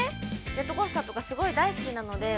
ジェットコースターとか、大好きなんで。